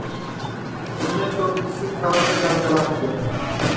اُنے تو کسی کارن اِدؔا کرا تیا